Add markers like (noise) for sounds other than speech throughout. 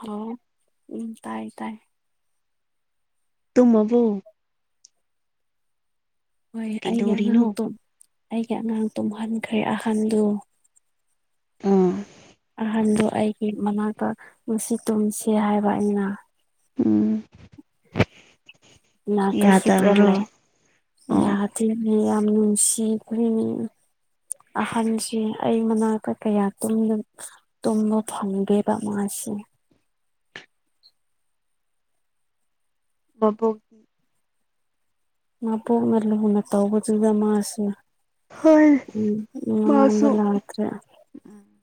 ꯍꯥꯎ ꯎꯝ ꯇꯥꯏ ꯇꯥꯏ ꯇꯨꯝꯃꯕꯣ ꯍꯣꯏ ꯑꯩꯒꯤ ꯀꯩꯗꯧꯔꯤꯅꯣ ꯑꯉꯥꯡꯇꯣ ꯑꯩꯒꯤ ꯑꯉꯥꯡ ꯇꯨꯝꯍꯟꯈ꯭ꯔꯦ ꯑꯍꯟꯗꯣ ꯎꯝ ꯑꯍꯟꯗꯣ ꯑꯩꯒꯤ ꯃꯅꯥꯛꯇ ꯉꯁꯤ ꯇꯨꯝꯁꯤ ꯍꯥꯏꯕ ꯑꯩꯅ ꯎꯝ ꯏꯅꯥꯛꯇ ꯍꯤꯞꯔ ꯌꯥꯗꯕ꯭ꯔꯣ ꯂꯩ ꯑꯣ ꯌꯥꯗꯦꯅꯦ ꯌꯥꯝ ꯅꯨꯡꯁꯤ ꯈꯔꯦꯅꯦ ꯑꯍꯟꯁꯤ ꯑꯩ ꯃꯅꯥꯛꯇ ꯀꯌꯥ ꯇꯨꯝꯗꯕ ꯇꯨꯝꯕ ꯐꯪꯗꯔ꯭ꯦꯕ ꯃꯥꯁꯤ ꯃꯕꯨꯛ ꯃꯕꯣꯛꯅ ꯂꯨꯅ ꯇꯧꯕꯗꯨꯗ ꯃꯥꯁꯨ ꯍꯣꯏ ꯎꯝ ꯑꯩꯉꯣꯟꯗꯥ ꯂꯥꯛꯈꯔꯦ ꯎꯝ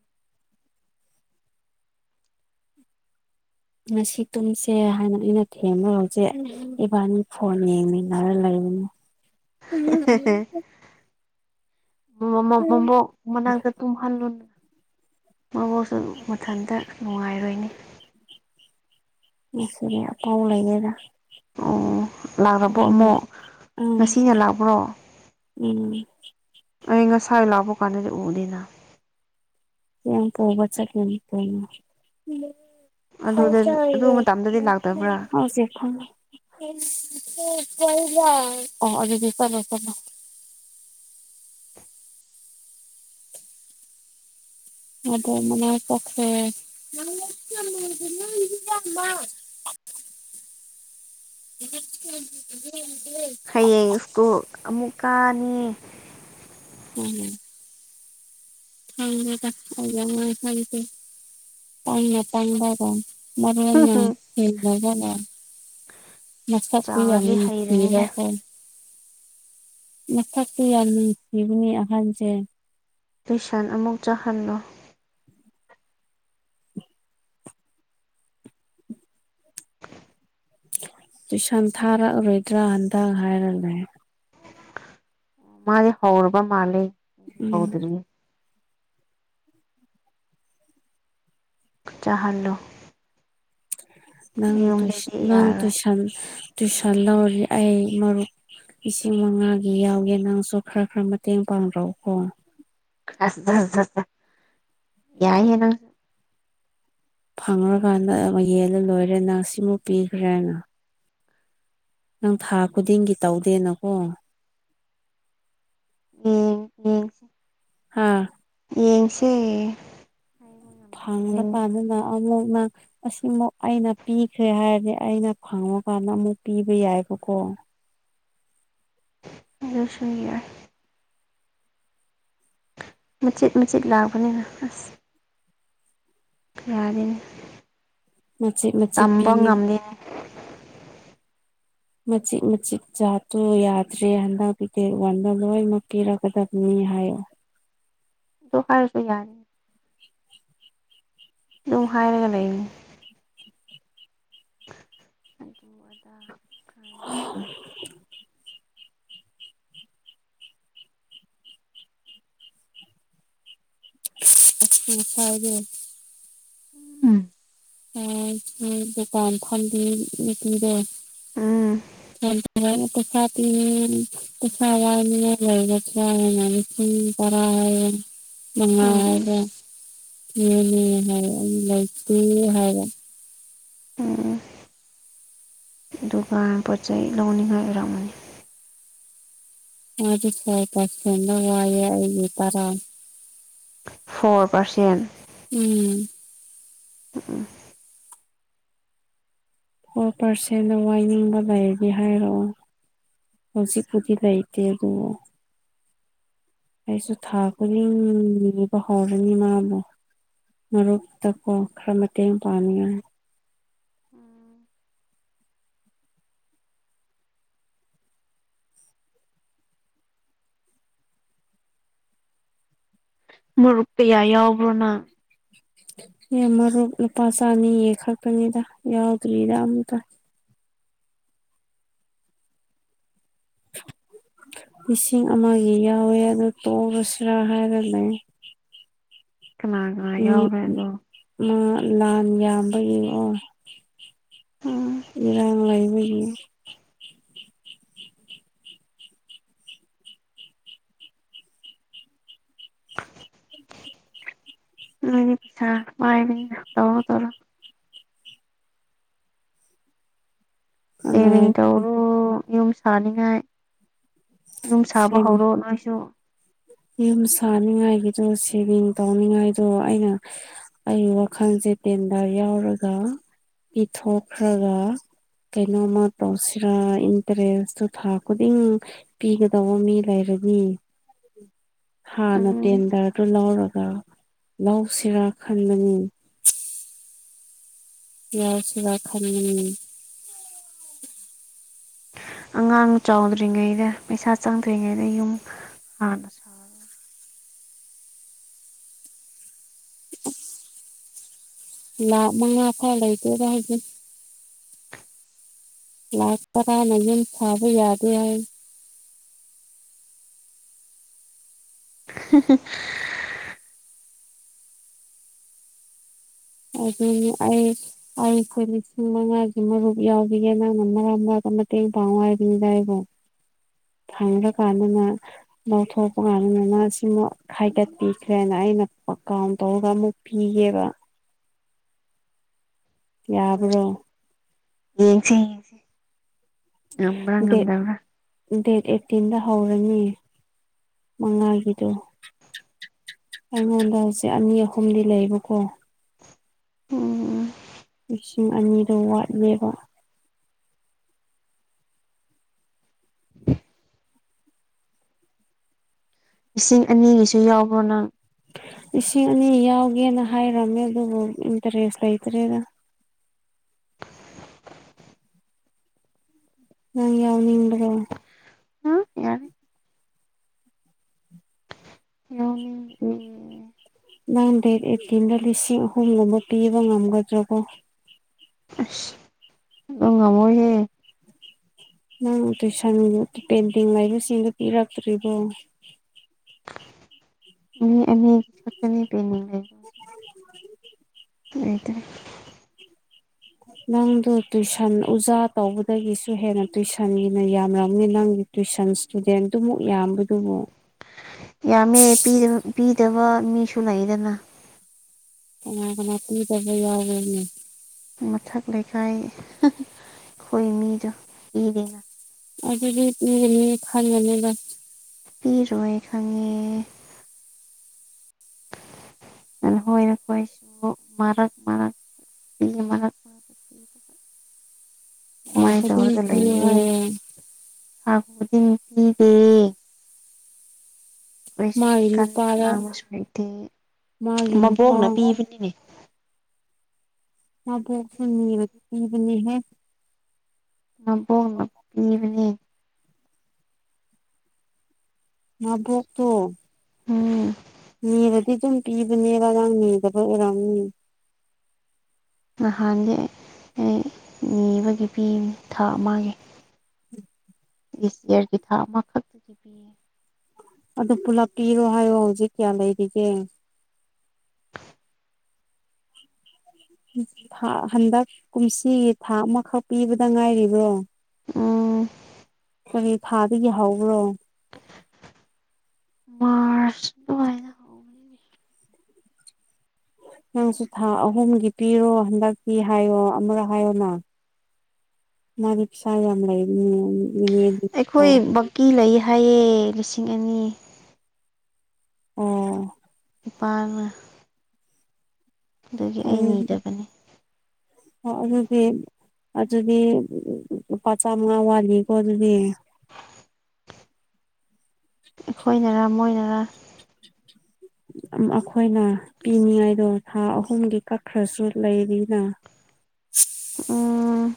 ꯉꯁꯤ ꯇꯨꯝꯁꯦ ꯍꯥꯏꯅ ꯑꯩꯅ ꯊꯦꯝꯔꯒ ꯍꯧꯖꯤꯛ ꯏꯕꯥꯅꯤ ꯐꯣꯟ ꯌꯦꯡꯃꯤꯟꯅꯔ ꯂꯩꯕꯅꯤ (inaudible) (unintelligible) ꯃꯃ ꯃꯕꯣꯛ ꯃꯅꯥꯛꯇ ꯇꯨꯝ ꯍꯜꯂꯣꯅ ꯃꯕꯣꯛꯁꯨ ꯃꯊꯟꯇ ꯅꯨꯡꯉꯥꯏꯔꯣꯏꯅꯦ ꯉꯁꯤꯗꯤ ꯑꯄꯥꯎ ꯂꯩꯌꯦꯗ ꯑꯣ ꯂꯥꯛꯔꯕꯣ ꯑꯃꯨꯛ ꯎꯝ ꯉꯁꯤ ꯍꯜꯂꯛꯄ꯭ꯔꯣ ꯎꯝ ꯑꯩ ꯉꯁꯥꯏ ꯂꯥꯛꯄ ꯀꯥꯟꯗꯗꯤ ꯎꯗꯦꯅ (unintelligible) ꯆꯠꯀꯅꯤ ꯀꯩꯅꯣ ꯑꯗꯨꯗ ꯑꯗꯨ ꯃꯇꯝꯗꯗꯤ ꯂꯥꯛꯇꯕ꯭ꯔꯥ (unintelligible) (unintelligible) ꯃꯕꯣꯛ ꯃꯅꯥꯛ ꯆꯠꯈꯔꯦ (unintelligible) (unintelligible) ꯍꯌꯦꯡ ꯁ꯭ꯀꯨꯜ ꯑꯃꯨꯛ ꯀꯥꯅꯤ ꯃꯥꯅꯦ ꯈꯪꯗꯦꯗ ꯑꯩ ꯒꯤ ꯑꯉꯥꯡ ꯑꯍꯟꯁꯦ ꯄꯪꯅ ꯄꯪꯕꯒ ꯃꯔꯣꯟꯅ ꯁꯦꯡꯗꯕꯒꯥ ꯃꯁꯛꯇꯤ ꯌꯥꯝ ꯆꯥꯎꯔꯗꯤ ꯅꯨꯡꯁꯤꯕ ꯍꯩꯔꯅꯤꯗ ꯀꯣ ꯃꯁꯛꯇꯤ ꯌꯥꯝ ꯅꯨꯡꯁꯤꯕꯅꯤ ꯑꯍꯟꯁꯦ ꯇꯨꯏꯁꯟ ꯑꯃꯨꯛ ꯆꯥꯍꯜꯂꯣ ꯇꯨꯏꯁꯟ ꯊꯥꯔꯛꯑꯔꯣꯏꯗ꯭ꯔꯥ ꯍꯟꯗꯛ ꯍꯥꯏꯔ ꯂꯩ ꯃꯥꯗꯤ ꯍꯧꯔꯕ ꯃꯥꯜꯂꯦ ꯑꯩꯗꯤ ꯎꯝ ꯍꯧꯗ꯭ꯔꯤꯌꯦ ꯆꯥꯍꯜꯂꯣ ꯅꯪ ꯇꯨꯏꯁꯟ ꯌꯨꯝꯗꯗꯤ ꯅꯪ ꯌꯥꯔꯣꯏ ꯇꯨꯏꯁꯟ ꯇꯨꯢꯁꯟ ꯂꯧꯔꯤ ꯑꯩ ꯃꯔꯨꯞ ꯂꯤꯁꯤꯡ ꯃꯉꯥꯒꯤ ꯌꯥꯎꯒꯦ ꯅꯪꯁꯨ ꯈꯔ ꯈꯔ ꯃꯇꯦꯡ ꯄꯥꯡꯔꯛꯎꯀꯣ (unintelligible) ꫰ꯌꯥꯏꯍꯦ ꯅꯪꯁꯨ ꯐꯪꯉꯔꯀꯥꯟꯗ ꯑꯃꯨꯛ ꯌꯦꯜꯂꯥ ꯂꯣꯏꯔꯦ ꯅꯪ ꯁꯤꯃꯨꯛ ꯄꯤꯈ꯭ꯔꯦꯅ ꯅꯪ ꯊꯥ ꯈꯨꯗꯤꯡꯒꯤ ꯇꯧꯗꯦꯅꯀꯣ ꯌꯦꯡꯒꯦ ꯍꯥꯥ ꯌꯦꯡꯁꯦ ꯍꯥꯏꯕ ꯉꯝꯗꯦ ꯐꯪ꯭ꯔꯀꯥꯟ ꯑꯗꯨꯅ ꯑꯃꯨꯛꯅ ꯑꯁꯤꯃꯨ ꯑꯩꯅ ꯄꯤꯈ꯭ꯔꯦ ꯍꯥꯏꯔꯗꯤ ꯑꯩꯅ ꯈꯪꯕꯀꯥꯟꯗ ꯑꯃꯨꯛ ꯄꯤꯕ ꯌꯥꯏꯕꯀꯣ ꯑꯗꯨꯁꯨ ꯌꯥꯏ ꯃꯆꯦꯠ ꯃꯆꯦꯠ ꯂꯥꯛꯑꯕꯅꯤꯅ ꯑꯁ ꯌꯥꯗꯦꯅꯦ ꯃꯆꯤꯠ ꯃꯆꯤꯠ ꯄꯤ ꯇꯝꯕ ꯉꯝꯗꯦꯅꯦ (inaudible) ꯃꯆꯤꯠ ꯃꯆꯤꯠ ꯆꯥꯕꯇꯨ ꯌꯥꯗ꯭ꯔꯦ ꯍꯟꯗꯛꯀꯤ ꯗꯦꯠ ꯋꯥꯟꯗ ꯂꯣꯏꯅꯃꯛ ꯄꯤꯔꯛꯒꯗꯕꯅꯤ ꯍꯥꯏꯌꯦ ꯗꯨ ꯍꯥꯏꯔꯁꯨ ꯌꯥꯏ ꯑꯗꯨꯝ ꯍꯥꯏꯔꯒ ꯂꯩꯕꯅꯦ (unintelligible) (inaudible) ꯎꯝ ꯑ ꯍꯣꯏ ꯗꯨꯀꯥꯟ ꯐꯥꯝꯕꯤ ꯅꯨꯄꯤꯗꯣ ꯎꯝ (inaudible) (inaudible) ꯎꯝ (inaudible) ꯎꯝ ꯑꯗꯨꯒ ꯄꯣꯠ ꯆꯩ ꯂꯧꯅꯤꯡꯉꯥꯏ ꯑꯣꯏꯔꯝꯃꯅꯤ (unintelligible) ꯐꯣꯔ ꯄꯔꯁꯦꯟ ꯎꯝ ꯎꯝ ꯑꯣ ꯄꯥꯔꯁꯦꯟꯗ ꯋꯥꯏꯅꯤꯡꯕ ꯂꯩꯔꯗꯤ ꯍꯥꯏꯔꯛꯑꯣ ꯍꯧꯖꯤꯛꯄꯨꯗꯤ ꯂꯩꯇꯦ ꯑꯗꯨ ꯑꯩꯁꯨ ꯊꯥ ꯈꯨꯗꯤꯡ ꯌꯦꯕ ꯍꯧꯔꯅꯤ ꯃꯥꯕꯨ ꯃꯔꯨꯞꯇꯀꯣ ꯈꯔ ꯃꯇꯦꯡ ꯄꯥꯡꯅꯤꯡꯉꯥꯏ ꯎꯝ ꯃꯔꯨꯞ ꯀꯌꯥ ꯌꯥꯎꯕ꯭ꯔꯣ ꯅꯪ ꯑꯩ ꯃꯔꯨꯞ ꯂꯨꯄꯥꯒꯤ ꯆꯥꯅꯤꯒꯤ ꯈꯛꯇꯥꯅꯤꯗ ꯌꯥꯎꯗ꯭ꯔꯤꯗ ꯑꯃꯇ ꯂꯤꯁꯤꯡ ꯑꯃꯒꯤ ꯌꯥꯎꯋꯦ ꯑꯗꯨ ꯇꯣꯛꯑꯁꯤꯔꯥ ꯍꯥꯏꯔꯒ ꯂꯩ ꯀꯅꯥ ꯀꯅꯥ ꯌꯥꯎꯔꯦ ꯑꯗꯣ ꯃꯥ ꯂꯥꯟ ꯌꯥꯝꯕ ꯌꯦꯡꯑꯣ ꯎꯝ ꯏꯔꯥꯡ ꯂꯩꯕꯒꯤ ꯅꯣꯏꯗ ꯄꯩꯁꯥ ꯄꯥꯏꯕꯅꯤꯅꯥ ꯇꯧꯔꯣ ꯇꯧꯔꯣ ꯁꯦꯚꯤꯡ (unintelligible) ꯇꯧꯔꯣ ꯌꯨꯝ ꯁꯥꯅꯤꯡꯉꯥꯏ ꯌꯨꯝ ꯁꯥꯕ ꯍꯧꯔꯣ ꯅꯣꯏꯁꯨ ꯌꯨꯝ ꯁꯥꯅꯤꯡꯉꯥꯏꯒꯤꯗꯣ ꯁꯦꯚꯤꯡ ꯇꯧꯅꯤꯡꯉꯥꯏꯗꯣ ꯑꯩꯅ ꯑꯩ ꯋꯥꯈꯜꯁꯦ ꯇꯦꯟꯗꯥꯔ ꯌꯥꯎꯔꯒ ꯄꯤꯊꯣꯛꯈ꯭ꯔꯒ ꯀꯩꯅꯣꯝꯃ ꯇꯧꯁꯤꯔꯥ ꯏꯟꯇꯔꯦꯁꯇꯨ ꯊꯥ ꯈꯨꯗꯤꯡ ꯄꯤꯒꯗꯧꯕ ꯃꯤ ꯂꯩꯔꯗꯤ ꯍꯥꯟꯅ ꯎꯝ ꯇꯦꯟꯗꯔꯗꯨ ꯂꯧꯔꯒ ꯂꯧꯁꯤꯔꯥ ꯈꯟꯕꯅꯤ (inaudible) ꯑꯉꯥꯡ ꯆꯥꯎꯗ꯭ꯔꯤꯉꯩꯗ ꯄꯩꯁꯥ ꯆꯪꯗ꯭ꯔꯤꯉꯩꯗ ꯌꯨꯝ ꯍꯥꯟꯅ ꯁꯥꯔꯣ ꯂꯥꯥꯛ ꯃꯉꯥ ꯐꯥꯎ ꯂꯩꯇꯦꯕ ꯍꯧꯖꯤꯛ ꯂꯥꯛ ꯇꯥꯔꯥꯅ ꯌꯨꯝ ꯁꯥꯕ ꯌꯥꯗꯦ ꯍꯥꯏ (unintelligible) ꯑꯗꯨꯅꯤ ꯑꯩ ꯑꯩ ꯑꯩꯈꯣꯏ ꯂꯤꯁꯤꯡ ꯃꯉꯥꯒꯤ ꯃꯔꯨꯞ ꯌꯥꯎꯈꯤꯒꯦ ꯅꯪꯅ ꯃꯔꯛ ꯃꯔꯛꯇ ꯃꯇꯦꯡ ꯄꯥꯡꯉꯣ ꯍꯥꯏꯕꯅꯤꯗ ꯑꯩꯕꯨ (unintelligible) ꯐꯪꯕ ꯀꯥꯟꯗꯅ ꯂꯧꯊꯣꯛꯄ ꯀꯥꯟꯗꯅ ꯃꯥꯁꯤꯅ ꯈꯥꯏꯒꯠꯄꯤꯈ꯭ꯔꯦꯅ ꯑꯩꯅ ꯄꯀꯥꯎꯟ ꯇꯧꯔꯒ ꯑꯃꯨꯛ ꯄꯤꯒꯦꯕ꯫ ꯌꯥꯕ꯭ꯔꯣ꯫ ꯌꯦꯡꯁꯦ ꯌꯦꯡꯁꯦ ꯉꯝꯕ꯭ꯔꯥ ꯗꯦꯠ ꯉꯝꯗꯕ꯭ꯔꯥ꯫ ꯗꯦꯠ ꯑꯦꯠꯇꯤꯟꯗ ꯍꯧꯔꯅꯤ ꯃꯉꯥꯒꯤꯗꯣ꯫ ꯑꯩꯉꯣꯟꯗ ꯍꯧꯖꯤꯛ ꯑꯅꯤ ꯑꯍꯨꯝꯗꯤ ꯂꯩꯕꯀꯣ꯫ ꯎꯝ ꯂꯤꯁꯤꯡ ꯑꯅꯤꯗꯣ ꯋꯥꯠꯂꯦꯕ꯫ ꯂꯤꯁꯤꯡ ꯑꯅꯤꯒꯤꯁꯨ ꯌꯥꯎꯕ꯭ꯔꯣ ꯅꯪ꯫ ꯂꯤꯁꯤꯡ ꯑꯅꯤ ꯌꯥꯎꯒꯦꯅ ꯍꯥꯏꯔꯝꯃꯦ ꯑꯗꯨꯕꯨ ꯏꯟꯇꯔꯦꯁ ꯂꯩꯇ꯭ꯔꯦꯗ꯫ ꯅꯪ ꯌꯥꯎꯅꯤꯡꯕ꯭ꯔꯣ꯫ ꯎꯝ ꯌꯥꯔꯦ ꯌꯥꯎꯅꯤꯡꯗꯦ ꯅꯪ ꯗꯦꯠ ꯑꯦꯠꯇꯤꯟꯗ ꯂꯤꯁꯤꯡ ꯑꯍꯨꯝꯒꯨꯝꯕ ꯄꯤꯕ ꯉꯝꯒꯗ꯭ꯔꯕꯣ꯫ ꯕ ꯉꯃꯣꯏꯍꯦ꯫ ꯅꯪ ꯇꯨꯏꯁꯟ ꯄꯦꯟꯇꯤꯡ ꯍꯥꯏꯕꯁꯤꯡꯗꯨꯣ ꯄꯤꯔꯛꯇ꯭ꯔꯤꯕꯣ꯫ ꯃꯤ ꯑꯅꯥ (inaudible) ꯄꯤꯅꯤꯡ ꯂꯩ꯫ ꯂꯩꯇꯔꯦ꯫ ꯅꯪꯗꯣ ꯇꯨꯏꯁꯟ ꯎꯖꯥ ꯇꯧꯕꯗꯒꯤꯁꯨ ꯍꯦꯟꯅ ꯇꯨꯏꯁꯟꯒꯤꯅ ꯌꯥꯝꯔꯝꯅꯤ ꯅꯪꯒꯤ ꯇꯨꯏꯁꯟ ꯏꯁꯇꯨꯗꯦꯟꯗꯨꯃꯨꯛ ꯌꯥꯝꯕꯗꯨꯕꯨ꯫ ꯌꯥꯝꯃꯦ ꯄꯤꯗ ꯄꯤꯗꯕꯥ ꯃꯤꯁꯨ ꯂꯩꯗꯅ꯫ ꯀꯅꯥ ꯀꯅꯥ ꯄꯤꯗꯕ ꯌꯥꯎꯕ꯭ꯔꯅꯦ꯫ ꯃꯊꯛ ꯂꯩꯀꯥꯏ ꯑꯈꯣꯏ ꯃꯤꯗꯣ ꯏꯔꯤꯅ꯫ ꯑꯗꯨꯗꯤ ꯄꯤꯒꯅꯤ ꯈꯟꯒꯅꯤꯕ꯫ ꯄꯤꯔꯣꯏ ꯈꯪꯉꯦ꯫ (inaudible) ꯊꯥ ꯃꯥꯏ ꯈꯨꯗꯤꯡ ꯇꯧꯔꯒ ꯄꯤꯌꯨ ꯂꯩꯌꯦ꯫ ꯍꯥꯏꯌꯦ ꯊꯥ ꯈꯨꯗꯤꯡ ꯄꯤꯗꯦ꯫ ꯑꯩꯩꯁꯨ ꯃꯥꯒꯤ ꯀꯟꯕ ꯅꯨꯄꯥꯗ ꯉꯥꯡꯕꯁꯨ ꯍꯩꯇꯦ ꯃꯥꯒꯤ ꯅꯨꯄꯥ ꯃꯕꯣꯛꯅ ꯄꯤꯕꯅꯤꯅꯦ꯫ ꯑꯕꯣꯛꯁꯨ ꯅꯤꯔ ꯄꯕꯅꯤ ꯍꯦ꯫ ꯃꯕꫭꯛꯅ ꯄꯤꯕꯅꯤ꯫ ꯃꯕꫭꯛꯇꯣ ꯎꯝ꯫ ꯅꯤꯔꯗꯤ ꯗꯨꯝ ꯄꯤꯕꯅꯦꯕ ꯅꯪ ꯅꯤꯗꯕ ꯑꯣꯏꯔꯝꯅꯤ꯫ ꯅꯍꯥꯟꯗꯤ ꯑꯩ ꯅꯤꯕꯒꯤ ꯄꯤꯕꯅꯤ ꯊꯥ ꯑꯃꯒꯤ꯫ ꯗꯤꯁ ꯏꯌꯥꯔꯒꯤ ꯊꯥꯛ ꯑꯃꯈꯛꯇꯒꯤ ꯄꯤꯌꯦ꯫ ꯑꯗꫭ ꯄꯨꯂꯞ ꯄꯤꯔꯣ ꯍꯥꯏꯌꯣ ꯍꯧꯖꯤꯛ ꯀꯌꯥ ꯂꯩꯔꯤꯒꯦ꯫ ꯊꯥ ꯍꯟꯗꯛ ꯀꯨꯝꯁꯤꯒꯤ ꯊꯥ ꯑꯃꯈꯛ ꯄꯤꯕꯗ ꯉꯥꯏꯔꯤꯕ꯭ꯔꯣ꯫ ꯎꯝ꯫ ꯀꯔꯤ ꯊꯥꯗꯒꯤ ꯍꯧꯕ꯭ꯔꯣ꯫ ꯃꯥꯔꯁ ꯗꯨꯋꯥꯏꯗ ꯍꯧꯕꯅꯤ꯫ ꯅꯪꯁꯨ ꯊꯥ ꯑꯍꯨꯝꯒꯤ ꯄꯤꯔꯣ ꯍꯟꯗꯛꯇꯤ ꯍꯥꯏꯌꯣ ꯑꯃꯨꯔꯛ ꯍꯥꯏꯌꯣꯅꯥ꯫ ꯃꯥꯗꯤ ꯄꯤꯁꯥ ꯌꯥꯝ ꯂꯩꯕꯅꯤꯅꯦ ꯃꯤꯅꯤꯠ ꯑꯩꯈꯣꯏ ꯕꯛꯀꯤ ꯂꯩꯌꯦ ꯍꯥꯏꯌꯦ ꯂꯤꯁꯤꯡ ꯑꯅꯤ꯫ ꯑꯣ꯫ ꯏꯄꯥꯅ ꯗꯒꯤ ꯑꯩ ꯅꯤꯗꯕꯅꯤ꯫ ꯑꯣ ꯑꯗꯨꯗꯤ ꯑꯗꯨꯗꯤ ꯂꯨꯄꯥ ꯆꯥꯃꯉꯥ ꯋꯥꯠꯂꯤꯀꯣ ꯑꯗꯨꯗꯤ꯫ ꯑꯈꯣꯏꯅꯔꯥ ꯃꯣꯏꯅꯔꯥ ꯑꯃ ꯑꯈꯣꯏꯅ ꯄꯤꯅꯤꯡꯉꯥꯏꯗꯣ ꯊꯥ ꯑꯍꯨꯝꯒꯤ ꯀꯛꯈ꯭ꯔꯁꯨ ꯂꯩꯔꯤꯅ꯫ ꯎꯝ꯫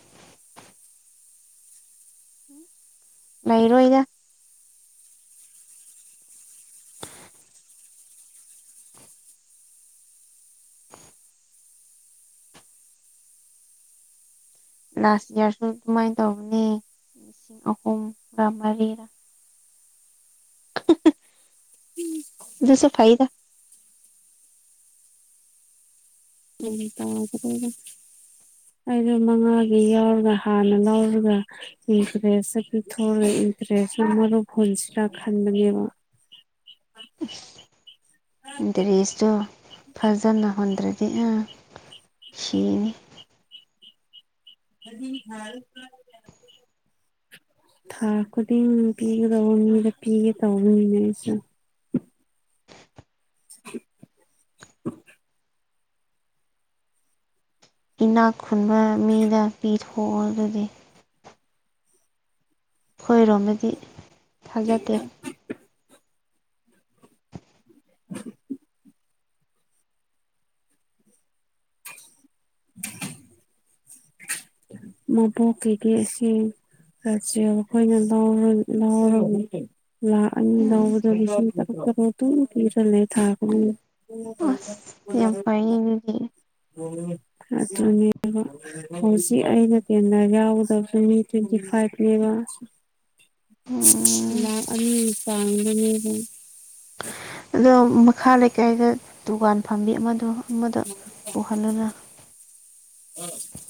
ꯂꯩꯔꯣꯏꯗ꯫ ꯂꯥꯁ ꯏꯌꯥꯔꯁꯨ ꯑꯗꯨꯃꯥꯏ ꯇꯧꯕꯅꯦ ꯂꯤꯁꯤꯡ ꯑꯍꯨꯝꯒꯥ ꯃꯔꯤꯔꯥ꯫ ꯑꯗꯨꯁꯦ ꯐꯥꯏꯗ ꯎꯝ ꯇꯕꫪꯣ ꯑꯩꯗꯣ ꯃꯉꯥꯒꯤ ꯌꯥꯎꯔꯒ ꯍꯥꯟꯅ ꯂꯧꯥꯎꯔꯒ ꯏꯟꯇꯔꯦꯁ ꯄꯤꯊꯦ ꯏꯟꯇꯔꯦꯁꯁꯨ ꯃꯔꯨꯞ ꯍꯨꯟꯁꯤꯔꯥ ꯈꯟꯕꯅꯦꯕ ꯗ꯭ꯔꯦꯁꯇꯣ ꯐꯖꯅ ꯍꯨꯟꯗ꯭ꯔꯗꯤ ꯑꯪ ꯁꯤꯅꯤ ꯑꯗꯤ ꯍ ꯊꯥ ꯈꯨꯗꯤꯡ ꯄꯤꯒꯗꯧꯕ ꯃꯤꯗ ꯄꯤꯒꯗꯧꯕꯅꯤꯅ ꯑꯩꯁꯨ ꯏꯅꯥꯛ ꯈꯨꯟꯕ ꯃꯤꯗ ꯄꯤꯊꯣꯛꯑꯣ ꯑꯗꯨꯗꯤ ꯑꯩꯏꯔꯣꯝꯗꯗꯤ ꯊꯥꯖꯗꯦ (unintelligible) (unintelligible) ꯃꯕꯨꯣꯛ ꯀꯒꯤꯗꯤ ꯑꯁꯤꯅꯤ ꯆ ꯑꯩꯈꯣꯏꯅ ꯂꯧ (inaudible) ꯂꯥꯛꯑꯅꯤ ꯎꯝ ꯂꯧꯕꯗꯣ ꯁꯤꯡ ꯇꯥꯔꯛ ꯇꯥꯔꯠꯑꯗꯨꯝ ꯄꯤꯔꯦ ꯂꯩ ꯊꯥ ꯉꯨꯗꯤꯡꯒꯤ ꯎ ꯍꯣꯏ ꯑꯁ ꯌꯥꯝ ꯐꯩꯌꯦꯃꯤꯗꯤ ꯑꯗꯨꯅꯦꯕ ꯑꯩꯅ ꯇꯦꯟꯗ ꯌꯥꯎꯒꯗꯕꯁꯨ ꯃꯤ ꯇ꯭ꯋꯦꯟꯇꯤ ꯐꯥꯏꯚꯅꯦꯕ ꯎꯝ ꯂꯥꯛ ꯑꯅꯤ ꯄꯥꯡꯕꯅꯦꯕ ꯑꯗꯣ ꯃꯈꯥ ꯂꯩꯀꯥꯏꯗ ꯗꯨꯀꯥꯟ ꯐꯝꯕꯤ ꯑꯃꯗꯣ ꯑꯃꯗꯣ ꯄꯨꯍꯜꯂꯨꯅ (inaudible)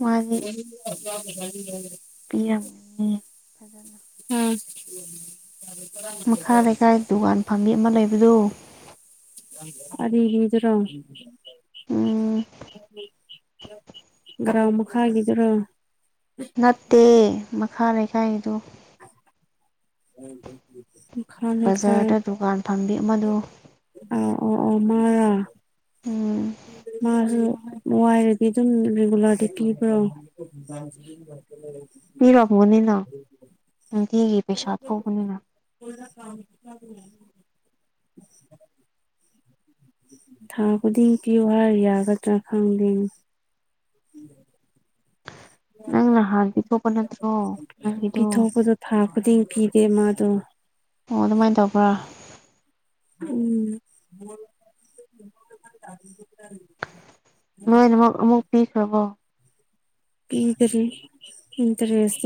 ꯃꯥꯗꯤ ꯄꯤꯔꯝꯒꯅꯤ ꯐꯖꯅ ꯎꯝ ꯃꯈꯥ ꯂꯩꯀꯥꯏ ꯗꯨꯀꯥꯟ ꯐꯝꯕꯤ ꯑꯃ ꯂꯩꯕꯗꯨ ꯑꫪꯤꯕꯤꯗꯨꯔꯣ ꯎꯝ ꯒ꯭ꯔꯥꯎꯃ ꯈꯥꯏꯒꯗ꯭ꯔꯣ ꯅꯠꯇꯦ ꯃꯈꯥ ꯂꯩꯀꯥꯏꯗꯨ ꯎꯝ (unintelligible) ꯕꯖꯥꯔꯗ ꯗꯨꯀꯥꯟ ꯐꯝꯕꯤ ꯃꯗꯨ ꯑ ꯑꯣ ꯑꯣ ꯃꯔ ꯎꯝ ꯃꯥꯁꯨ ꯋꯥꯏꯔꯗꯤ ꯑꯗꯨꯝ ꯔꯤꯒꯨꯂꯔꯗꯤ ꯄꯤꯕ꯭ꯔꯣ (unintelligible) ꯄꯤꯔꯝꯃꯅꯤꯅ ꯅꯨꯡꯇꯤꯒꯤ ꯄꯩꯁꯥ ꯊꯣꯛꯧꯕꯅꯤꯅ (unintelligible) ꯊꯥ ꯈꯨꯗꯤꯡꯒꯤ ꯄꯤꯌꯣ ꯌꯥꯒꯗ꯭ꯔꯥ ꯈꯪꯗꯦ (unintelligible) ꯅꯪ ꯅ ꯍꯗꯤ ꯊꯣꯛꯄ ꯅꯠꯇ꯭ꯔꯣ ꯅꯪꯒꯤꯗꯨ ꯄꯤꯊꯣꯛꯄꯗꯣ ꯊꯥ ꯈꯨꯗꯤꯡ ꯄꯤꯗꯦ ꯃꯥꯗꯣ ꯑꯣ ꯑꯗꯨꯃꯥꯏꯅ ꯇꯧꯕ꯭ꯔꯥ ꯎꯝ ꯅꯣꯏꯅꯃꯛ ꯑꯃꯨꯛ ꯄꯤꯈ꯭ꯔꯕꯣ ꯄꯤꯗꯔꯤꯦ ꯏꯟꯇꯔꯦꯁ